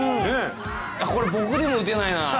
これ、僕でも打てないな。